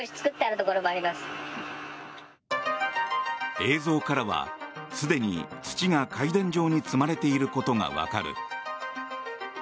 映像からはすでに土が階段状に積まれていることがわかる。